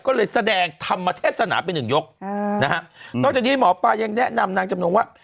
ก็เลยแสดงธรรมเทศนาไปหนึ่งยกอืมนะฮะนอกจากนี้หมอปลายังแนะนำนางจำนงว่า